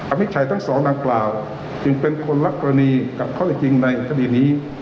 อัมิชัยทั้งสองนางกล่าวจึงเป็นคนรับกรณีกับข้อจริงในคดีนี้